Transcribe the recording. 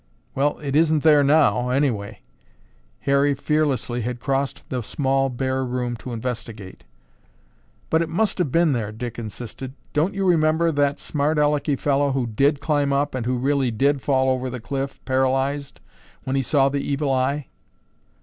"Well, it isn't there now anyway." Harry fearlessly had crossed the small bare room to investigate. "But it must have been there," Dick insisted. "Don't you remember that Smart Aleky fellow who did climb up and who really did fall over the cliff, paralyzed, when he saw the Evil Eye?"